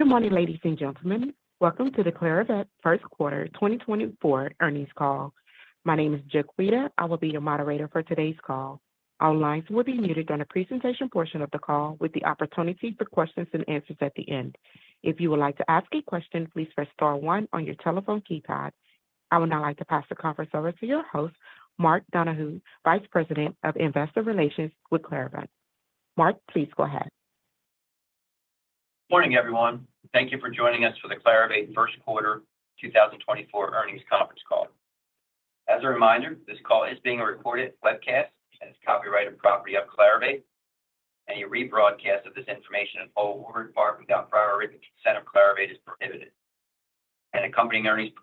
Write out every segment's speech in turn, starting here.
Good morning, ladies and gentlemen. Welcome to the Clarivate First Quarter 2024 Earnings Call. My name is Jaquita. I will be your moderator for today's call. All lines will be muted during the presentation portion of the call, with the opportunity for questions and answers at the end. If you would like to ask a question, please press star one on your telephone keypad. I would now like to pass the conference over to your host, Mark Donohue, Vice President of Investor Relations with Clarivate. Mark, please go ahead. Morning, everyone. Thank you for joining us for the Clarivate First Quarter 2024 earnings conference call. As a reminder, this call is being recorded webcast and is copyright and property of Clarivate. Any rebroadcast of this information in whole or in part, without prior written consent of Clarivate, is prohibited. An accompanying earnings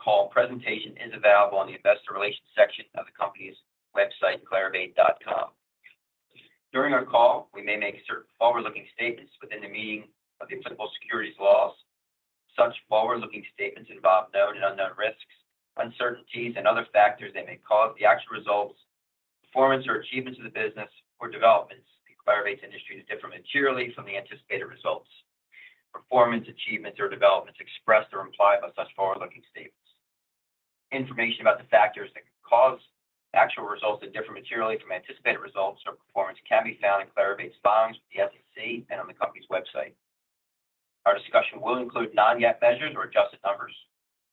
call presentation is available on the investor relations section of the company's website, clarivate.com. During our call, we may make certain forward-looking statements within the meaning of the applicable securities laws. Such forward-looking statements involve known and unknown risks, uncertainties, and other factors that may cause the actual results, performance, or achievements of the business or developments in Clarivate's industry to differ materially from the anticipated results, performance, achievements, or developments expressed or implied by such forward-looking statements. Information about the factors that could cause actual results to differ materially from anticipated results or performance can be found in Clarivate's filings with the SEC and on the company's website. Our discussion will include non-GAAP measures or adjusted numbers.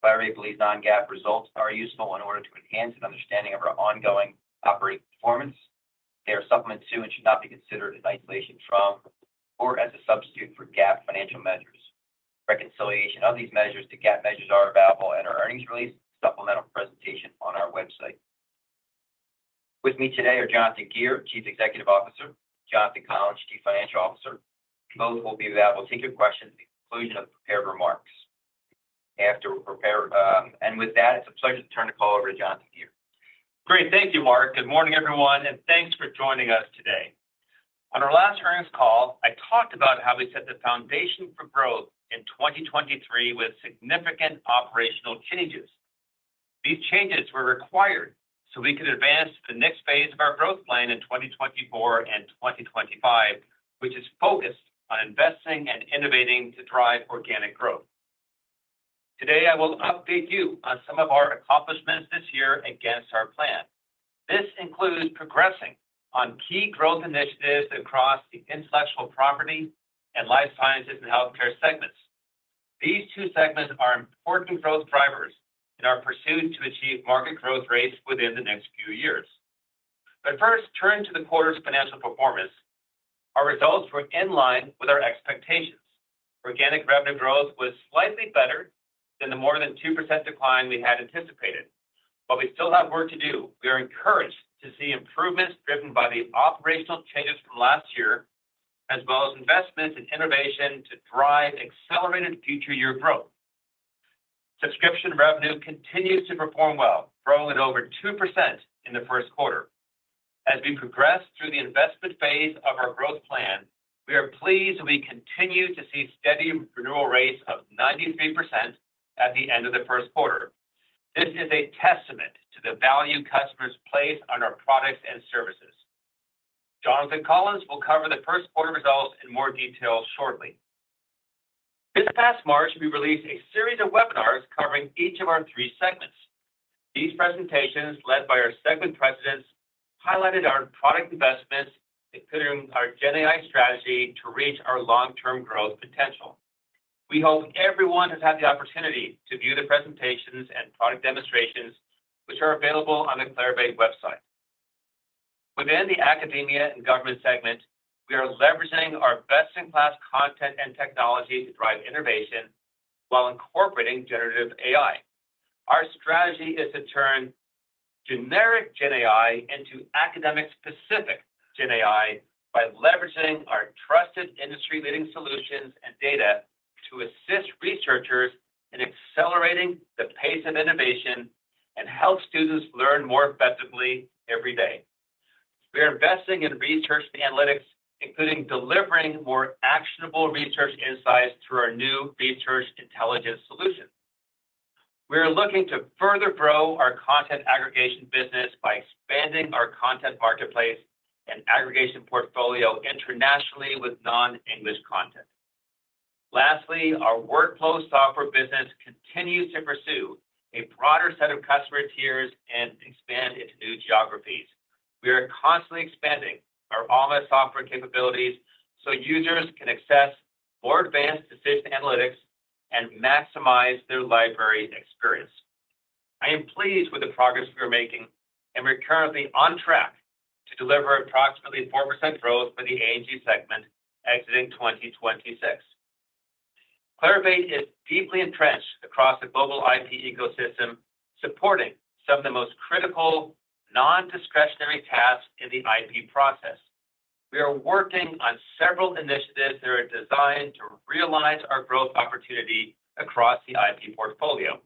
Clarivate believes non-GAAP results are useful in order to enhance an understanding of our ongoing operating performance. They are supplement to and should not be considered in isolation from, or as a substitute for GAAP financial measures. Reconciliation of these measures to GAAP measures are available in our earnings release supplemental presentation on our website. With me today are Jonathan Gear, Chief Executive Officer, Jonathan Collins, Chief Financial Officer. Both will be available to take your questions at the conclusion of the prepared remarks. With that, it's a pleasure to turn the call over to Jonathan Gear. Great. Thank you, Mark. Good morning, everyone, and thanks for joining us today. On our last earnings call, I talked about how we set the foundation for growth in 2023 with significant operational changes. These changes were required so we could advance to the next phase of our growth plan in 2024 and 2025, which is focused on investing and innovating to drive organic growth. Today, I will update you on some of our accomplishments this year against our plan. This includes progressing on key growth initiatives across the Intellectual Property and Life Sciences and Healthcare segments. These two segments are important growth drivers in our pursuit to achieve market growth rates within the next few years. But first, turning to the quarter's financial performance, our results were in line with our expectations. Organic revenue growth was slightly better than the more than 2% decline we had anticipated, but we still have work to do. We are encouraged to see improvements driven by the operational changes from last year, as well as investments in innovation to drive accelerated future year growth. Subscription revenue continues to perform well, growing at over 2% in the first quarter. As we progress through the investment phase of our growth plan, we are pleased that we continue to see steady renewal rates of 93% at the end of the first quarter. This is a testament to the value customers place on our products and services. Jonathan Collins will cover the first quarter results in more detail shortly. This past March, we released a series of webinars covering each of our three segments. These presentations, led by our segment presidents, highlighted our product investments, including our GenAI strategy, to reach our long-term growth potential. We hope everyone has had the opportunity to view the presentations and product demonstrations, which are available on the Clarivate website. Within the academia and government segment, we are leveraging our best-in-class content and technology to drive innovation while incorporating generative AI. Our strategy is to turn generic GenAI into academic-specific GenAI by leveraging our trusted, industry-leading solutions and data to assist researchers in accelerating the pace of innovation and help students learn more effectively every day. We are investing in research and analytics, including delivering more actionable research insights through our new Research Intelligence solution. We are looking to further grow our content aggregation business by expanding our content marketplace and aggregation portfolio internationally with non-English content. Lastly, our workflow software business continues to pursue a broader set of customer tiers and expand into new geographies. We are constantly expanding our Alma software capabilities so users can access more advanced decision analytics and maximize their library experience. I am pleased with the progress we are making, and we're currently on track to deliver approximately 4% growth for the A&G segment exiting 2026. Clarivate is deeply entrenched across the global IP ecosystem, supporting some of the most critical non-discretionary tasks in the IP process. We are working on several initiatives that are designed to realize our growth opportunity across the IP portfolio.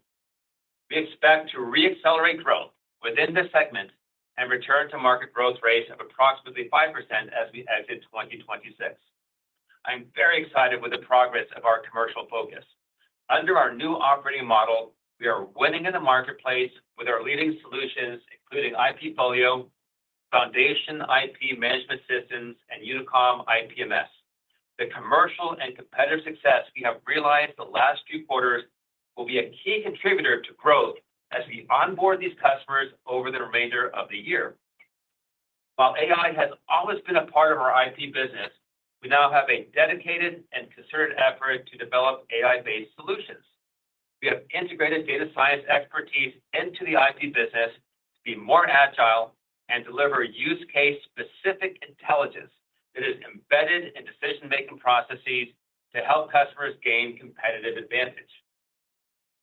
We expect to re-accelerate growth within this segment and return to market growth rates of approximately 5% as we exit 2026. I'm very excited with the progress of our commercial focus.... Under our new operating model, we are winning in the marketplace with our leading solutions, including IPfolio, FoundationIP management systems, and Unycom IPMS. The commercial and competitive success we have realized the last few quarters will be a key contributor to growth as we onboard these customers over the remainder of the year. While AI has always been a part of our IP business, we now have a dedicated and concerted effort to develop AI-based solutions. We have integrated data science expertise into the IP business to be more agile and deliver use case-specific intelligence that is embedded in decision-making processes to help customers gain competitive advantage.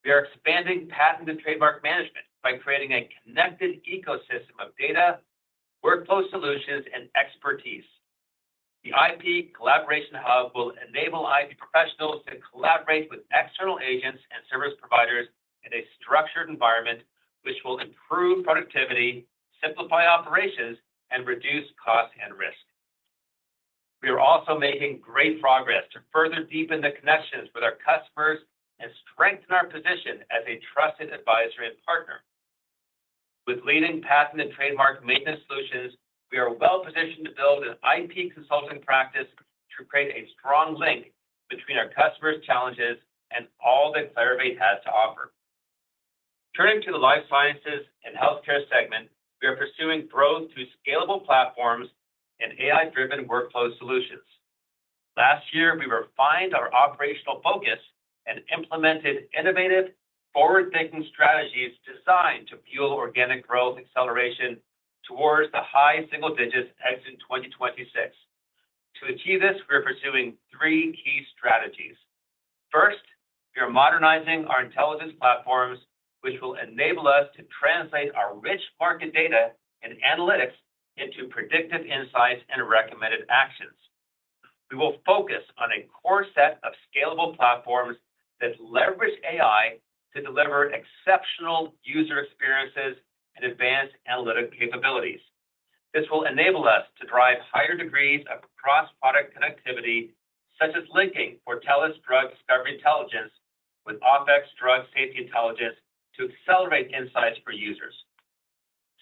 We are expanding patent and trademark management by creating a connected ecosystem of data, workflow solutions, and expertise. The IP Collaboration Hub will enable IP professionals to collaborate with external agents and service providers in a structured environment, which will improve productivity, simplify operations, and reduce costs and risk. We are also making great progress to further deepen the connections with our customers and strengthen our position as a trusted advisor and partner. With leading patent and trademark maintenance solutions, we are well-positioned to build an IP consulting practice to create a strong link between our customers' challenges and all that Clarivate has to offer. Turning to the life sciences and healthcare segment, we are pursuing growth through scalable platforms and AI-driven workflow solutions. Last year, we refined our operational focus and implemented innovative, forward-thinking strategies designed to fuel organic growth acceleration towards the high single digits exit in 2026. To achieve this, we are pursuing three key strategies. First, we are modernizing our intelligence platforms, which will enable us to translate our rich market data and analytics into predictive insights and recommended actions. We will focus on a core set of scalable platforms that leverage AI to deliver exceptional user experiences and advanced analytic capabilities. This will enable us to drive higher degrees of cross-product connectivity, such as linking Cortellis Drug Discovery Intelligence with OFF-X Drug Safety Intelligence to accelerate insights for users.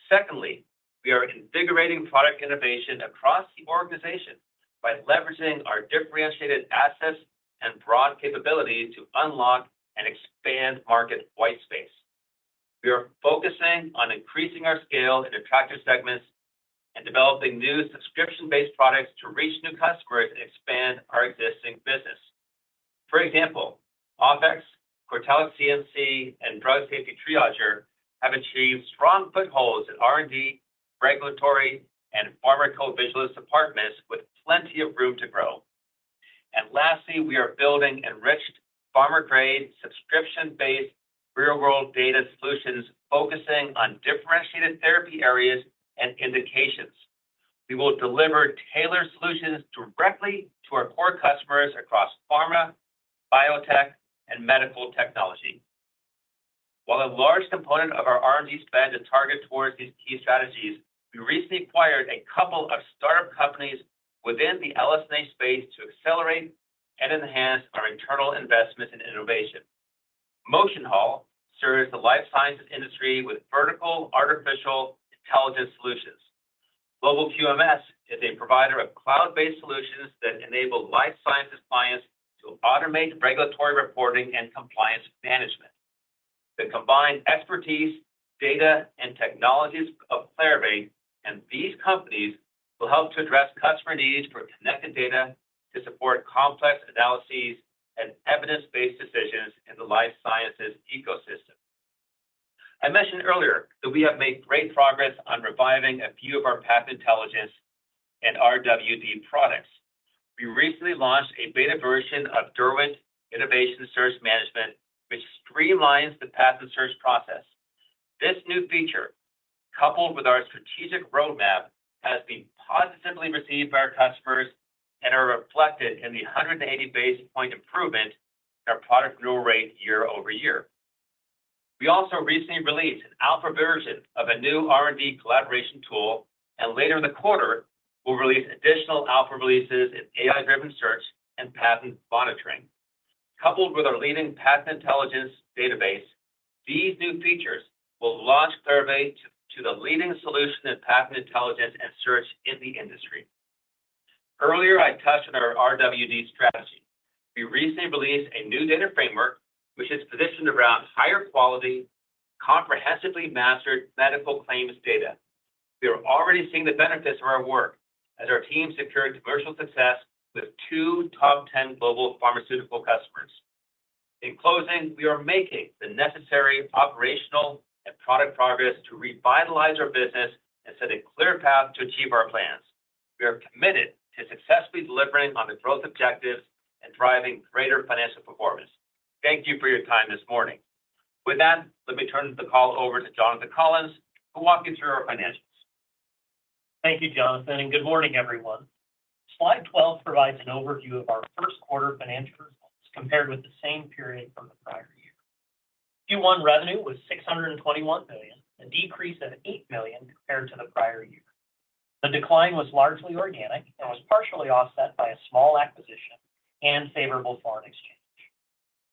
Secondly, we are invigorating product innovation across the organization by leveraging our differentiated assets and broad capability to unlock and expand market white space. We are focusing on increasing our scale in attractive segments and developing new subscription-based products to reach new customers and expand our existing business. For example, OFF-X, Cortellis CMC, and Drug Safety Triager have achieved strong footholds in R&D, regulatory, and pharmacovigilance departments with plenty of room to grow. And lastly, we are building enriched pharma-grade, subscription-based real-world data solutions, focusing on differentiated therapy areas and indications. We will deliver tailored solutions directly to our core customers across pharma, biotech, and medical technology. While a large component of our R&D spend is targeted towards these key strategies, we recently acquired a couple of startup companies within the LS&H space to accelerate and enhance our internal investment and innovation. MotionHall serves the life sciences industry with vertical artificial intelligence solutions. Global QMS is a provider of cloud-based solutions that enable life sciences clients to automate regulatory reporting and compliance management. The combined expertise, data, and technologies of Clarivate and these companies will help to address customer needs for connected data to support complex analyses and evidence-based decisions in the life sciences ecosystem. I mentioned earlier that we have made great progress on reviving a few of our patent intelligence and RWD products. We recently launched a beta version of Derwent Innovation Search Management, which streamlines the patent search process. This new feature, coupled with our strategic roadmap, has been positively received by our customers and are reflected in the 180 basis point improvement in our product renewal rate year-over-year. We also recently released an alpha version of a new R&D collaboration tool, and later in the quarter, we'll release additional alpha releases in AI-driven search and patent monitoring. Coupled with our leading patent intelligence database, these new features will launch Clarivate to the leading solution in patent intelligence and search in the industry. Earlier, I touched on our RWD strategy. We recently released a new data framework, which is positioned around higher quality, comprehensively mastered medical claims data. We are already seeing the benefits of our work as our team secured commercial success with two top ten global pharmaceutical customers. In closing, we are making the necessary operational and product progress to revitalize our business and set a clear path to achieve our plans. We are committed to successfully delivering on the growth objectives and driving greater financial performance. Thank you for your time this morning. With that, let me turn the call over to Jonathan Collins, who'll walk you through our financials. Thank you, Jonathan, and good morning, everyone. Slide 12 provides an overview of our first quarter financial results compared with the same period from the prior year. Q1 revenue was $621 million, a decrease of $8 million compared to the prior year. The decline was largely organic and was partially offset by a small acquisition and favorable foreign exchange.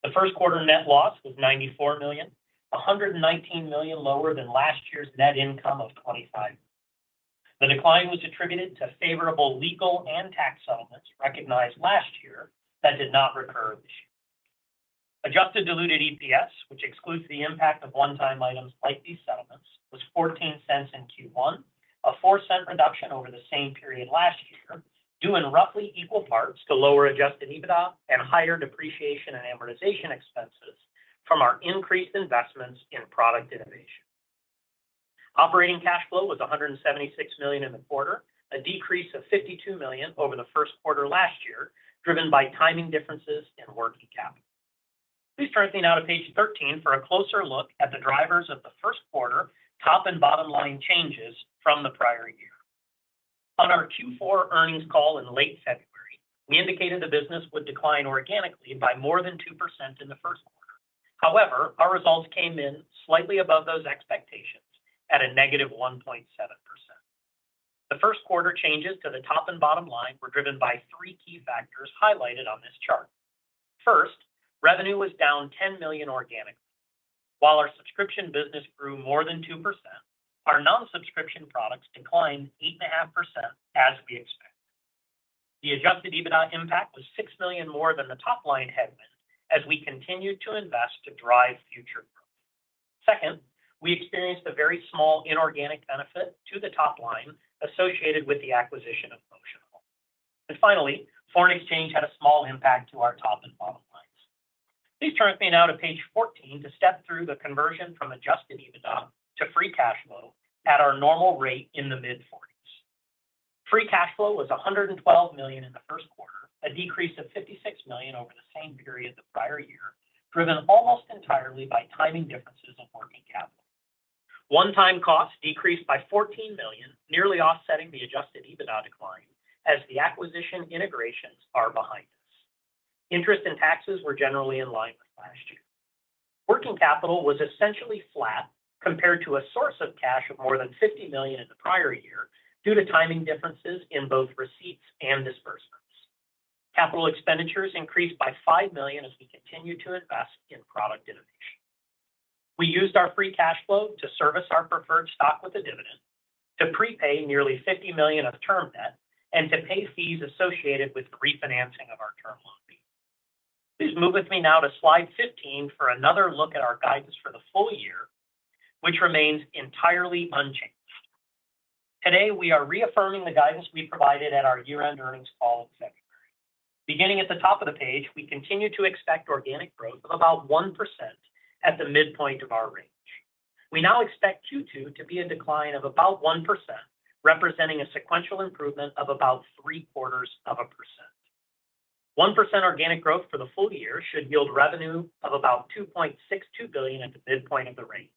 The first quarter net loss was $94 million, $119 million lower than last year's net income of $25 million. The decline was attributed to favorable legal and tax settlements recognized last year that did not recur this year. Adjusted diluted EPS, which excludes the impact of one-time items like these settlements, was $0.14 in Q1, a $0.04 reduction over the same period last year, due in roughly equal parts to lower adjusted EBITDA and higher depreciation and amortization expenses from our increased investments in product innovation. Operating cash flow was $176 million in the quarter, a decrease of $52 million over the first quarter last year, driven by timing differences in working capital. Please turn to page 13 now for a closer look at the drivers of the first quarter top and bottom line changes from the prior year. On our Q4 earnings call in late February, we indicated the business would decline organically by more than 2% in the first quarter. However, our results came in slightly above those expectations at -1.7%. The first quarter changes to the top and bottom line were driven by three key factors highlighted on this chart. First, revenue was down $10 million organically. While our subscription business grew more than 2%, our non-subscription products declined 8.5%, as we expected. The Adjusted EBITDA impact was $6 million more than the top line headwind as we continued to invest to drive future growth. Second, we experienced a very small inorganic benefit to the top line associated with the acquisition of Functional. Finally, foreign exchange had a small impact to our top and bottom lines. Please turn with me now to page 14 to step through the conversion from Adjusted EBITDA to Free Cash Flow at our normal rate in the mid-40s. Free cash flow was $112 million in the first quarter, a decrease of $56 million over the same period the prior year, driven almost entirely by timing differences in working capital. One-time costs decreased by $14 million, nearly offsetting the Adjusted EBITDA decline as the acquisition integrations are behind us. Interest and taxes were generally in line with last year. Working capital was essentially flat compared to a source of cash of more than $50 million in the prior year, due to timing differences in both receipts and disbursements. Capital expenditures increased by $5 million as we continued to invest in product innovation. We used our free cash flow to service our preferred stock with a dividend, to prepay nearly $50 million of term debt, and to pay fees associated with the refinancing of our Term Loan B. Please move with me now to slide 15 for another look at our guidance for the full year, which remains entirely unchanged. Today, we are reaffirming the guidance we provided at our year-end earnings call in February. Beginning at the top of the page, we continue to expect organic growth of about 1% at the midpoint of our range. We now expect Q2 to be in decline of about 1%, representing a sequential improvement of about 0.75%. 1% organic growth for the full year should yield revenue of about $2.62 billion at the midpoint of the range.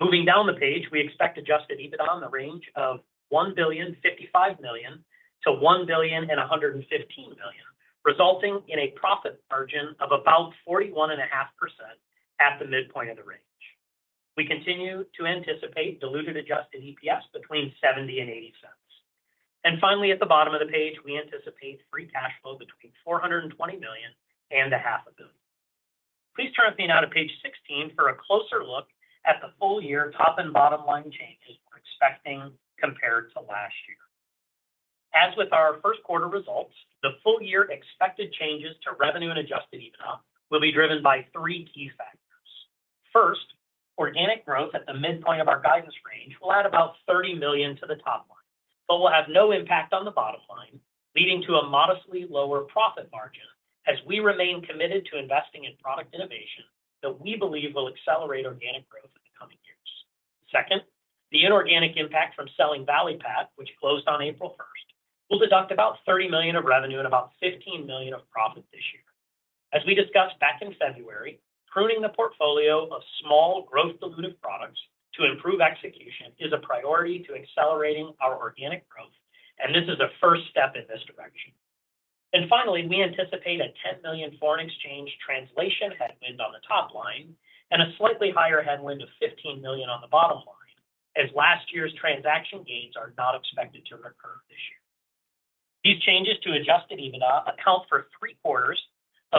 Moving down the page, we expect adjusted EBITDA in the range of $1.055 billion-$1.115 billion, resulting in a profit margin of about 41.5% at the midpoint of the range. We continue to anticipate diluted Adjusted EPS between $0.70 and $0.80. Finally, at the bottom of the page, we anticipate Free Cash Flow between $420 million and $500 million. Please turn with me now to page 16 for a closer look at the full year top and bottom line changes we're expecting compared to last year. As with our first quarter results, the full year expected changes to revenue and Adjusted EBITDA will be driven by three key factors. First, organic growth at the midpoint of our guidance range will add about $30 million to the top line, but will have no impact on the bottom line, leading to a modestly lower profit margin, as we remain committed to investing in product innovation that we believe will accelerate organic growth in the coming years. Second, the inorganic impact from selling Valley Path, which closed on April 1st, will deduct about $30 million of revenue and about $15 million of profit this year. As we discussed back in February, pruning the portfolio of small growth dilutive products to improve execution is a priority to accelerating our organic growth, and this is the first step in this direction. Finally, we anticipate a $10 million foreign exchange translation headwind on the top line and a slightly higher headwind of $15 million on the bottom line, as last year's transaction gains are not expected to recur this year. These changes to Adjusted EBITDA account for three-quarters of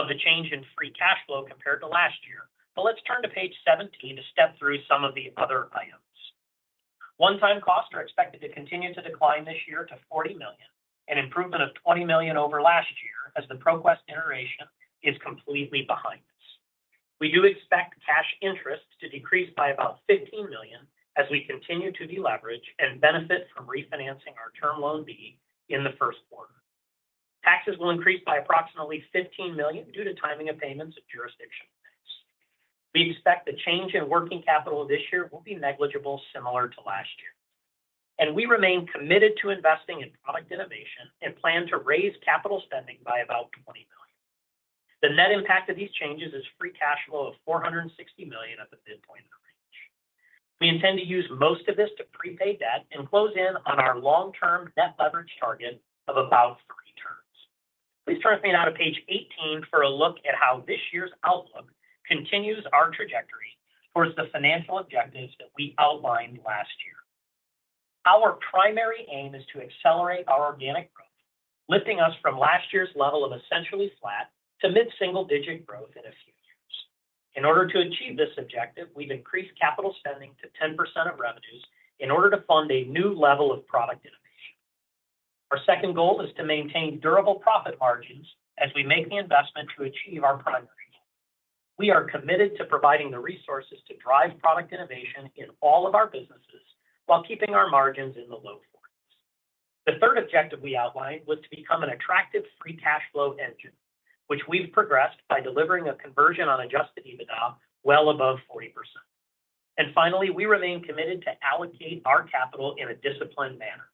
the change in Free Cash Flow compared to last year. Let's turn to page 17 to step through some of the other items. One-time costs are expected to continue to decline this year to $40 million, an improvement of $20 million over last year as the ProQuest iteration is completely behind us. We do expect cash interest to decrease by about $15 million as we continue to deleverage and benefit from refinancing our Term Loan B in the first quarter. Taxes will increase by approximately $15 million due to timing of payments of jurisdiction payments. We expect the change in working capital this year will be negligible, similar to last year. And we remain committed to investing in product innovation and plan to raise capital spending by about $20 million. The net impact of these changes is Free Cash Flow of $460 million at the midpoint of the range. We intend to use most of this to prepay debt and close in on our long-term debt leverage target of about three.... Please turn to page 18 for a look at how this year's outlook continues our trajectory towards the financial objectives that we outlined last year. Our primary aim is to accelerate our organic growth, lifting us from last year's level of essentially flat to mid-single-digit growth in a few years. In order to achieve this objective, we've increased capital spending to 10% of revenues in order to fund a new level of product innovation. Our second goal is to maintain durable profit margins as we make the investment to achieve our primary goal. We are committed to providing the resources to drive product innovation in all of our businesses, while keeping our margins in the low 40s. The third objective we outlined was to become an attractive free cash flow engine, which we've progressed by delivering a conversion on Adjusted EBITDA well above 40%. Finally, we remain committed to allocate our capital in a disciplined manner.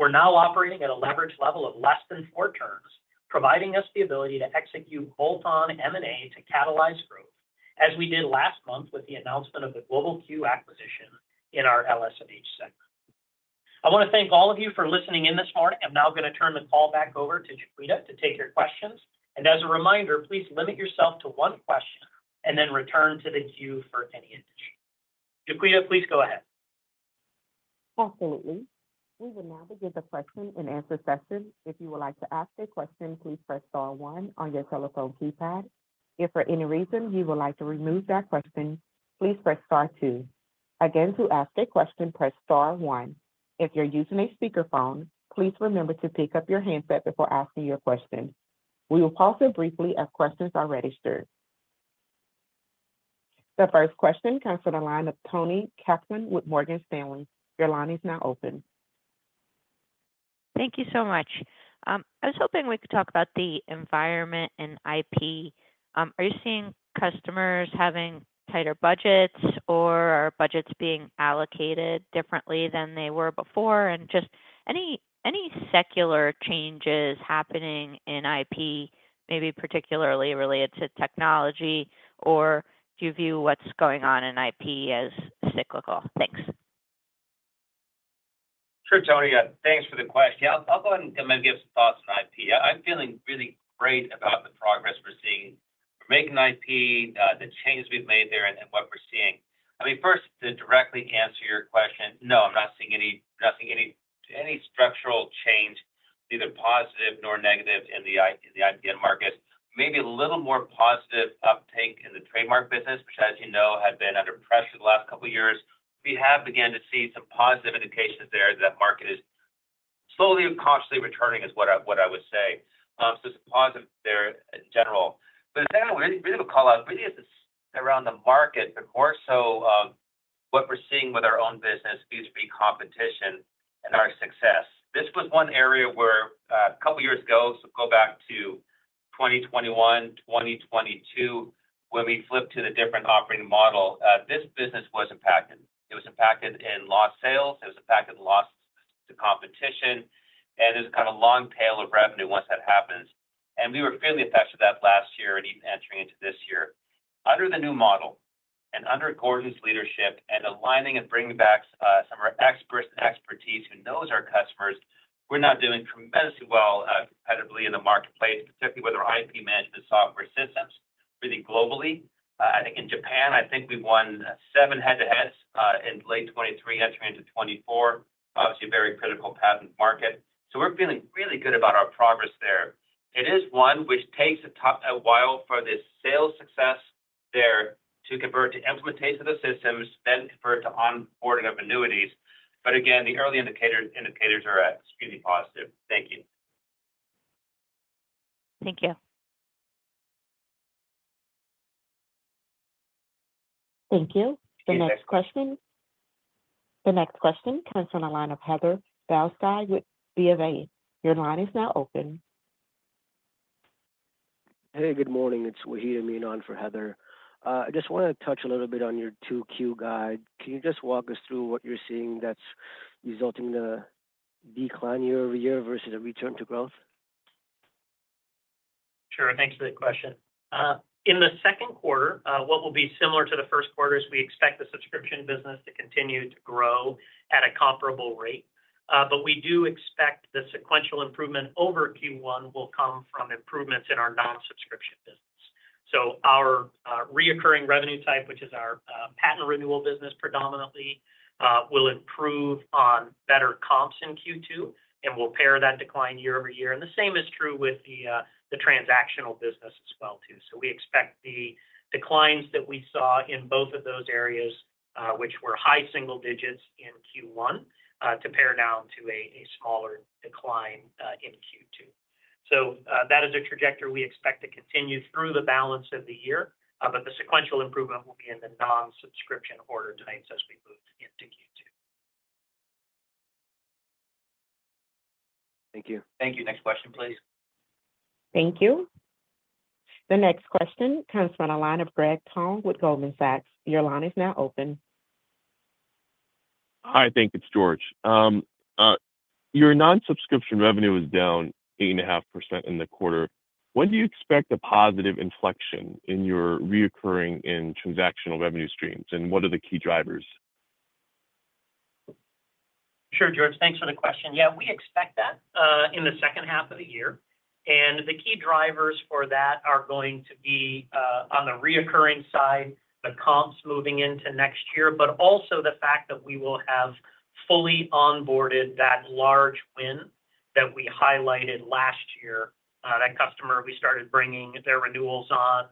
We're now operating at a leverage level of less than four turns, providing us the ability to execute bolt-on M&A to catalyze growth, as we did last month with the announcement of the Global Q acquisition in our LS&H sector. I want to thank all of you for listening in this morning. I'm now going to turn the call back over to Jaquita to take your questions. And as a reminder, please limit yourself to one question and then return to the queue for any interest. Jaquita, please go ahead. Absolutely. We will now begin the question and answer session. If you would like to ask a question, please press star one on your telephone keypad. If for any reason you would like to remove that question, please press star two. Again, to ask a question, press star one. If you're using a speakerphone, please remember to pick up your handset before asking your question. We will pause here briefly as questions are registered. The first question comes from the line of Toni Kaplan with Morgan Stanley. Your line is now open. Thank you so much. I was hoping we could talk about the environment and IP. Are you seeing customers having tighter budgets, or are budgets being allocated differently than they were before? And just any, any secular changes happening in IP, maybe particularly related to technology, or do you view what's going on in IP as cyclical? Thanks. Sure, Toni, thanks for the question. Yeah, I'll go ahead and give some thoughts on IP. I'm feeling really great about the progress we're seeing. We're making IP the changes we've made there and what we're seeing. I mean, first, to directly answer your question, no, I'm not seeing any structural change, neither positive nor negative in the IP market. Maybe a little more positive uptake in the trademark business, which, as you know, had been under pressure the last couple of years. We have begun to see some positive indications there that market is slowly and cautiously returning, is what I would say. So it's positive there in general. But then we have a call out really is around the market, but more so, what we're seeing with our own business vis-a-vis competition and our success. This was one area where, a couple of years ago, so go back to 2021, 2022, when we flipped to the different operating model, this business was impacted. It was impacted in lost sales, it was impacted in loss to competition, and there's kind of long tail of revenue once that happens. And we were feeling the effects of that last year and even entering into this year. Under the new model and under Gordon's leadership and aligning and bringing back, some of our experts and expertise who knows our customers, we're now doing tremendously well, competitively in the marketplace, particularly with our IP management software systems. Really globally, I think in Japan, I think we won seven head-to-heads in late 2023, entering into 2024. Obviously, a very critical patent market. So we're feeling really good about our progress there. It is one which takes a while for the sales success there to convert to implementation of the systems, then convert to onboarding of annuities. But again, the early indicator, indicators are extremely positive. Thank you. Thank you. Thank you. Thanks. The next question comes from the line of Heather Balsky with BofA. Your line is now open. Hey, good morning. It's Wahid Amin on for Heather. I just want to touch a little bit on your 2Q guide. Can you just walk us through what you're seeing that's resulting in a decline year-over-year versus a return to growth? Sure. Thanks for the question. In the second quarter, what will be similar to the first quarter is we expect the subscription business to continue to grow at a comparable rate. But we do expect the sequential improvement over Q1 will come from improvements in our non-subscription business. So our recurring revenue type, which is our patent renewal business, predominantly, will improve on better comps in Q2, and we'll pare that decline year-over-year. And the same is true with the, the transactional business as well, too. So we expect the declines that we saw in both of those areas, which were high single digits in Q1, to pare down to a smaller decline in Q2. That is a trajectory we expect to continue through the balance of the year, but the sequential improvement will be in the non-subscription order types as we move into Q2. Thank you. Thank you. Next question, please. Thank you. The next question comes from the line of George Tong with Goldman Sachs. Your line is now open. Hi, thank you. It's George. Your non-subscription revenue is down 8.5% in the quarter. When do you expect a positive inflection in your recurring and transactional revenue streams, and what are the key drivers?... Sure, George, thanks for the question. Yeah, we expect that in the second half of the year, and the key drivers for that are going to be on the recurring side, the comps moving into next year, but also the fact that we will have fully onboarded that large win that we highlighted last year. That customer we started bringing their renewals on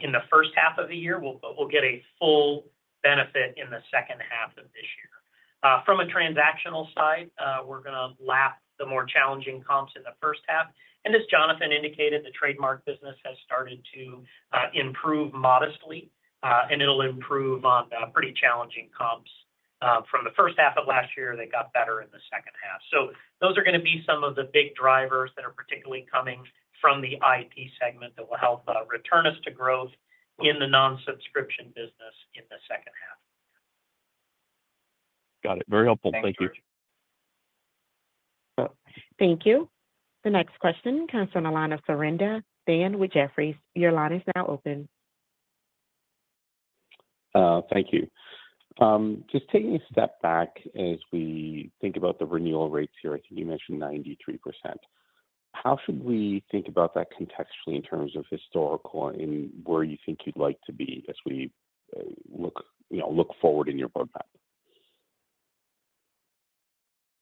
in the first half of the year. But we'll get a full benefit in the second half of this year. From a transactional side, we're gonna lap the more challenging comps in the first half, and as Jonathan indicated, the trademark business has started to improve modestly, and it'll improve on pretty challenging comps from the first half of last year, they got better in the second half. So those are gonna be some of the big drivers that are particularly coming from the IP segment that will help return us to growth in the non-subscription business in the second half. Got it. Very helpful. Thank you. Thanks, George. Thank you. The next question comes from the line of Surinder Thind with Jefferies. Your line is now open. Thank you. Just taking a step back as we think about the renewal rates here, I think you mentioned 93%. How should we think about that contextually in terms of historical and where you think you'd like to be as we look, you know, look forward in your roadmap?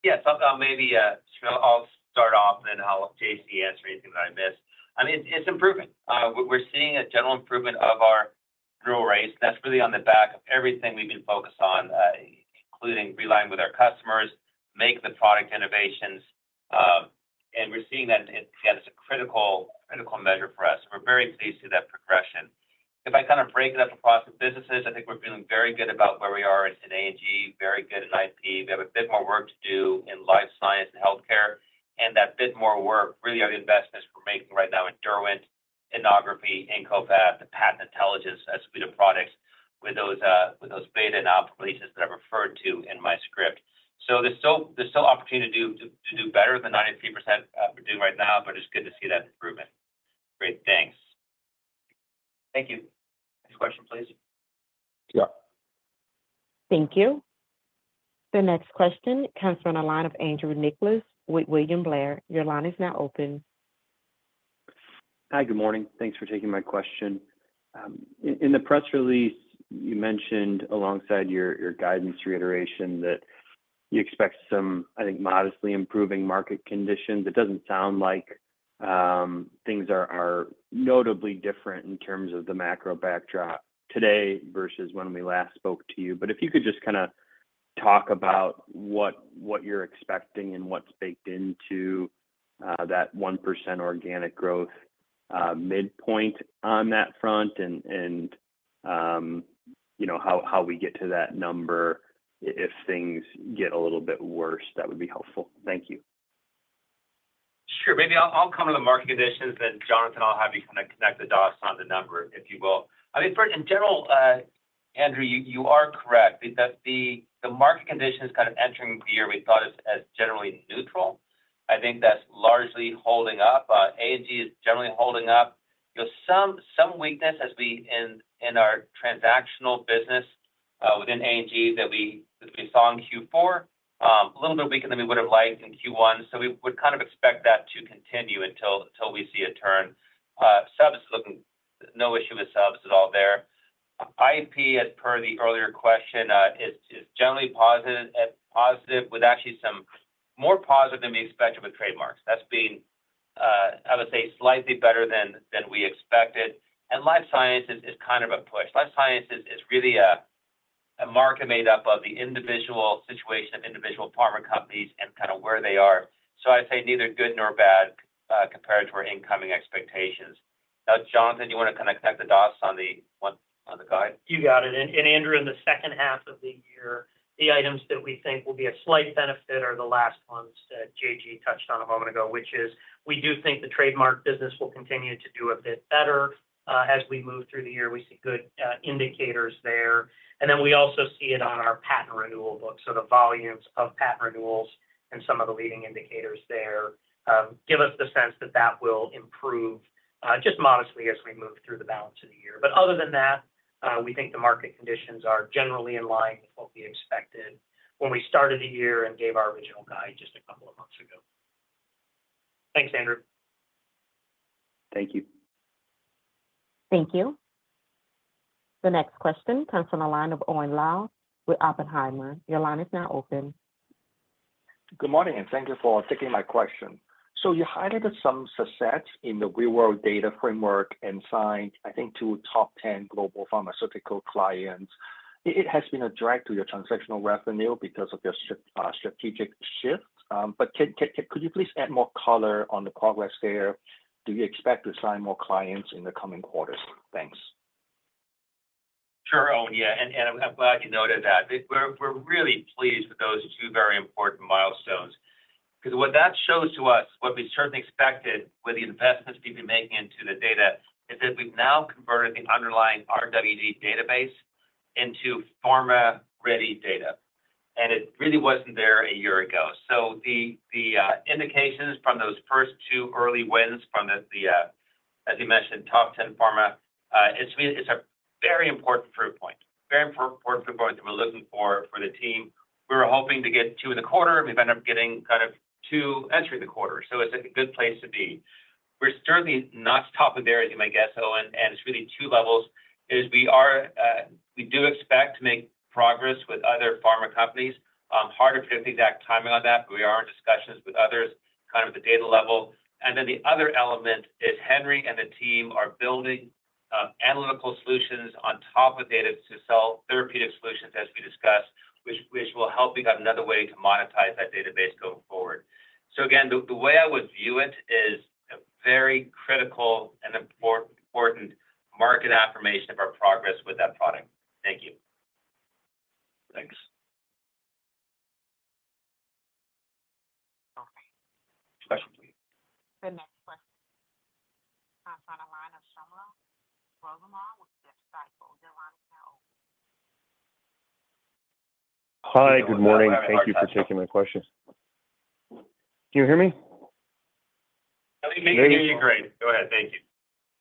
Yes, I'll, maybe, you know, I'll start off, and then I'll let JC answer anything that I miss. I mean, it's improving. We're seeing a general improvement of our renewal rates, that's really on the back of everything we've been focused on, including realigning with our customers, make the product innovations, and we're seeing that, again, it's a critical, critical measure for us. We're very pleased with that progression. If I kind of break it up across the businesses, I think we're feeling very good about where we are in A&G, very good in IP. We have a bit more work to do in life science and healthcare, and that bit more work really are the investments we're making right now in Derwent, Innography, IncoPat, the patent intelligence suite of products with those, with those beta non-applications that I referred to in my script. So there's still, there's still opportunity to do, to, to do better than 93%, we're doing right now, but it's good to see that improvement. Great. Thanks. Thank you. Next question, please. Yeah. Thank you. The next question comes from the line of Andrew Nicholas with William Blair. Your line is now open. Hi, good morning. Thanks for taking my question. In the press release, you mentioned alongside your guidance reiteration that you expect some, I think, modestly improving market conditions. It doesn't sound like things are notably different in terms of the macro backdrop today versus when we last spoke to you. But if you could just kinda talk about what you're expecting and what's baked into that 1% organic growth midpoint on that front and, you know, how we get to that number, if things get a little bit worse, that would be helpful. Thank you. Sure. Maybe I'll come to the market conditions, then, Jonathan, I'll have you kind of connect the dots on the number, if you will. I mean, first, in general, Andrew, you are correct, that the market conditions kind of entering the year we thought of as generally neutral. I think that's largely holding up. A&G is generally holding up. There's some weakness in our transactional business within A&G that we saw in Q4. A little bit weaker than we would have liked in Q1, so we would kind of expect that to continue until we see a turn. Subs is looking no issue with subs at all there. IP, as per the earlier question, is generally positive, positive with actually some more positive than we expected with trademarks. That's been slightly better than we expected, and life sciences is kind of a push. Life sciences is really a market made up of the individual situation, individual pharma companies and kind of where they are. So I'd say neither good nor bad compared to our incoming expectations. Now, Jonathan, do you want to kind of connect the dots on the one on the guide? You got it. Andrew, in the second half of the year, the items that we think will be a slight benefit are the last ones that JG touched on a moment ago, which is we do think the trademark business will continue to do a bit better as we move through the year. We see good indicators there, and then we also see it on our patent renewal book. So the volumes of patent renewals and some of the leading indicators there give us the sense that that will improve just modestly as we move through the balance of the year. But other than that, we think the market conditions are generally in line with what we expected when we started the year and gave our original guide just a couple of months ago. Thanks, Andrew. Thank you. Thank you. The next question comes from the line of Owen Lau with Oppenheimer. Your line is now open. Good morning, and thank you for taking my question. So you highlighted some success in the real-world data framework and signed, I think, two top ten global pharmaceutical clients. It has been a drag to your transactional revenue because of your strategic shift. But could you please add more color on the progress there? Do you expect to sign more clients in the coming quarters? Thanks. Sure, Owen. Yeah, and I'm glad you noted that. We're really pleased with those two very important milestones. Because what that shows to us, what we certainly expected with the investments we've been making into the data, is that we've now converted the underlying RWD database into pharma-ready data, and it really wasn't there a year ago. So the indications from those first two early wins from the, as you mentioned, top ten pharma, it's really—it's a very important proof point, very important proof point that we're looking for, for the team. We were hoping to get two in the quarter, and we've ended up getting kind of two entries in the quarter, so it's a good place to be. We're certainly not stopping there, as you might guess, Owen, and it's really two levels. We do expect to make progress with other pharma companies. Hard to predict the exact timing on that, but we are in discussions with others, kind of at the data level. And then the other element is Henry and the team are building analytical solutions on top of data to sell therapeutic solutions, as we discussed, which will help. We got another way to monetize that database going forward. So again, the way I would view it is a very critical and important market affirmation of our progress with that product. Thank you. Thanks. Okay, Specialty. The next question comes on the line of Shlomo Rosenbaum with Stifel. Your line is now open. Hi, good morning. Thank you for taking my question. Can you hear me? I can hear you great. Go ahead. Thank you.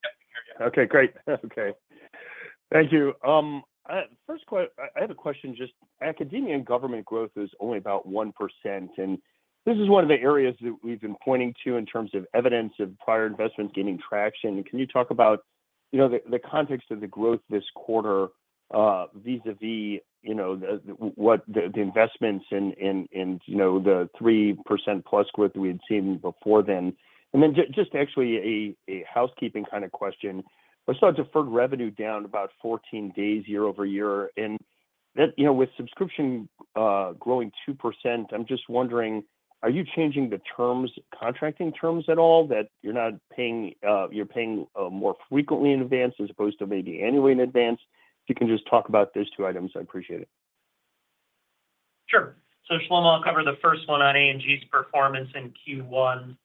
Yep, we hear you. Okay, great. Okay. Thank you. First, I have a question, just academia and government growth is only about 1%, and this is one of the areas that we've been pointing to in terms of evidence of prior investments gaining traction. Can you talk about, you know, the context of the growth this quarter, vis-a-vis, you know, what the investments in the 3%+ growth we had seen before then? And then just actually a housekeeping kind of question. I saw deferred revenue down about 14 days, year-over-year, and that... You know, with subscription growing 2%, I'm just wondering, are you changing the terms, contracting terms at all, that you're not paying, you're paying more frequently in advance as opposed to maybe annually in advance? If you can just talk about those two items, I'd appreciate it. Sure. So Shlomo, I'll cover the first one on A&G's performance in Q1.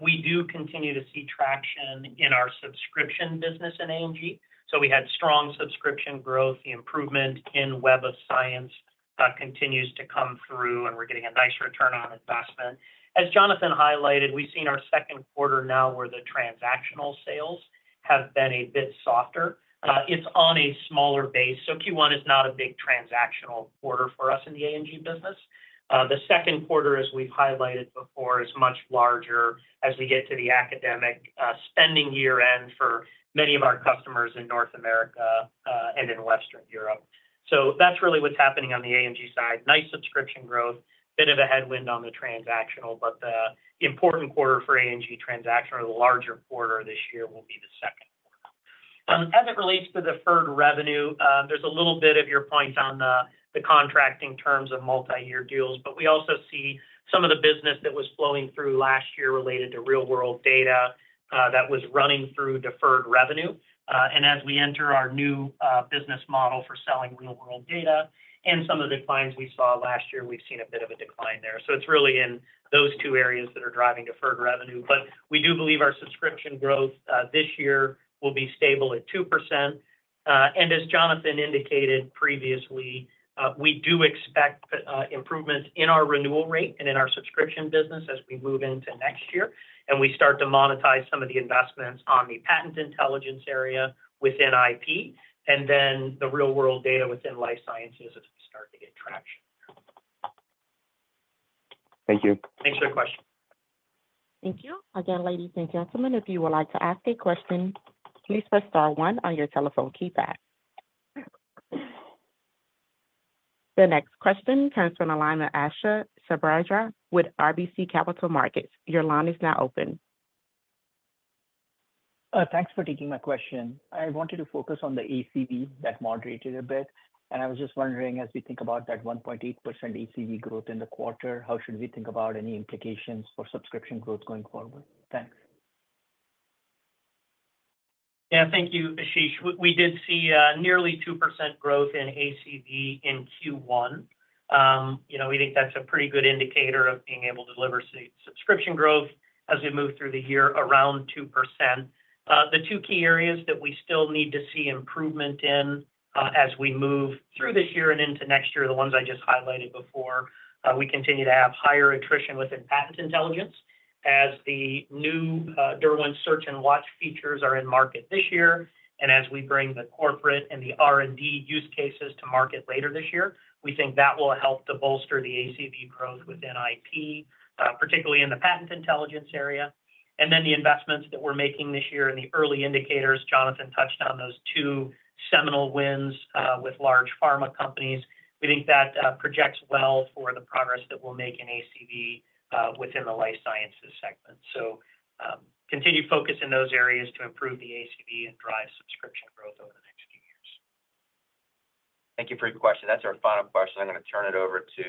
We do continue to see traction in our subscription business in A&G, so we had strong subscription growth. The improvement in Web of Science, that continues to come through, and we're getting a nice return on investment. As Jonathan highlighted, we've seen our second quarter now, where the transactional sales have been a bit softer. It's on a smaller base, so Q1 is not a big transactional quarter for us in the A&G business. The second quarter, as we've highlighted before, is much larger as we get to the academic spending year-end for many of our customers in North America and in Western Europe. So that's really what's happening on the A&G side. Nice subscription growth, bit of a headwind on the transactional, but the important quarter for A&G transactional or the larger quarter this year will be the second quarter. As it relates to deferred revenue, there's a little bit of your point on the contracting terms of multi-year deals, but we also see some of the business that was flowing through last year related to real world data, that was running through deferred revenue. And as we enter our new business model for selling real world data and some of the declines we saw last year, we've seen a bit of a decline there. So it's really in those two areas that are driving deferred revenue. But we do believe our subscription growth this year will be stable at 2%. As Jonathan indicated previously, we do expect improvements in our renewal rate and in our subscription business as we move into next year, and we start to monetize some of the investments on the patent intelligence area within IP, and then the real world data within life sciences as we start to get traction. Thank you. Thanks for your question. Thank you. Again, ladies and gentlemen, if you would like to ask a question, please press star one on your telephone keypad. The next question comes from the line of Ashish Sabadra with RBC Capital Markets. Your line is now open. Thanks for taking my question. I wanted to focus on the ACV that moderated a bit, and I was just wondering, as we think about that 1.8% ACV growth in the quarter, how should we think about any implications for subscription growth going forward? Thanks. Yeah. Thank you, Ashish. We did see nearly 2% growth in ACV in Q1. You know, we think that's a pretty good indicator of being able to deliver subscription growth as we move through the year around 2%. The two key areas that we still need to see improvement in, as we move through this year and into next year, are the ones I just highlighted before. We continue to have higher attrition within patent intelligence as the new Derwent Search and Watch features are in market this year. And as we bring the corporate and the R&D use cases to market later this year, we think that will help to bolster the ACV growth within IP, particularly in the patent intelligence area. Then the investments that we're making this year and the early indicators, Jonathan touched on those two seminal wins with large pharma companies. We think that projects well for the progress that we'll make in ACV within the life sciences segment. Continued focus in those areas to improve the ACV and drive subscription growth over the next few years. Thank you for your question. That's our final question. I'm gonna turn it over to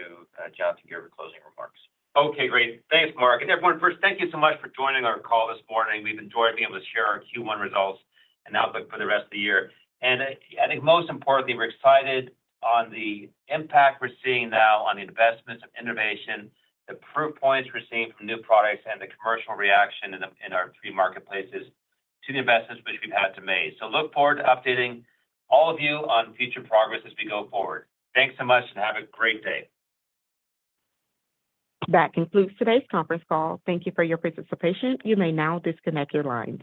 Jonathan Gear for closing remarks. Okay, great. Thanks, Mark. And everyone, first, thank you so much for joining our call this morning. We've enjoyed being able to share our Q1 results and outlook for the rest of the year. And I think most importantly, we're excited on the impact we're seeing now on the investments and innovation, the proof points we're seeing from new products, and the commercial reaction in our three marketplaces to the investments which we've had to make. So look forward to updating all of you on future progress as we go forward. Thanks so much and have a great day. That concludes today's conference call. Thank you for your participation. You may now disconnect your line.